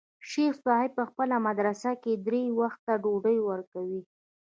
شيخ صاحب په خپله مدرسه کښې درې وخته ډوډۍ وركوي.